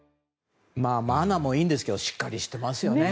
マナーもいいんですけどしっかりしてますよね。